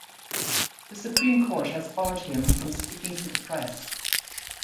The Supreme Court has barred him from speaking to the press.